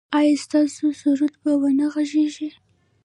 ایا ستاسو سرود به و نه غږیږي؟